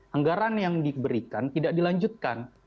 anggaran yang diberikan tidak dilanjutkan